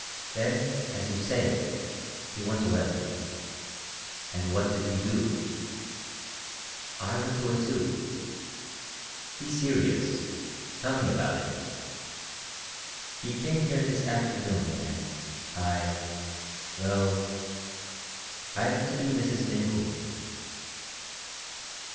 "Then, as you say, he went away." "And what did you do?" "I went away too." "Be serious; tell me about it." "He came here this afternoon, and I well I am to be Mrs. Incoul."